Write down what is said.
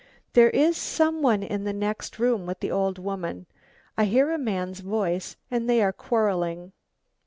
"There is some one in the next room with the old woman. I hear a man's voice and they are quarrelling.